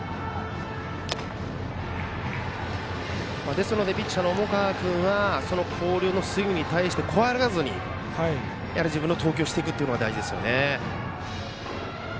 ですので、ピッチャーの重川君は広陵のスイングに対して怖がらずに自分の投球をするのが大事ですね。